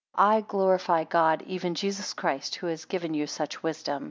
2 I glorify God, even Jesus Christ, who has given you such wisdom.